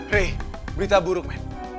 hey berita buruk men